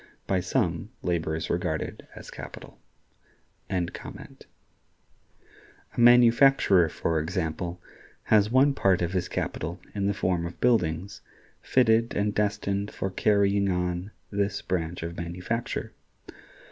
By some, labor is regarded as capital.(104) A manufacturer, for example, has one part of his capital in the form of buildings, fitted and destined for carrying on this branch of manufacture.